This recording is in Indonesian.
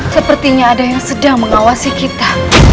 sepertinya ada yang sedang mengawasi kita